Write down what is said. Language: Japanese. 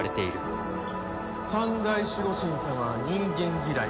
三大守護神様は人間嫌い。